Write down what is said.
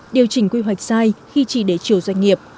điều chỉnh quy hoạch sai khi chỉ để chiều doanh nghiệp